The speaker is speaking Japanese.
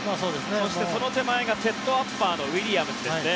そしてその手前がセットアッパーのウィリアムズですね。